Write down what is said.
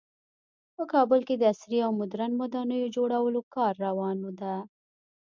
په کابل کې د عصري او مدرن ودانیو جوړولو کار روان ده